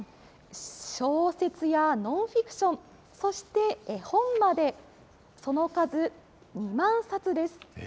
小説やノンフィクション、そして絵本まで、その数２万冊です。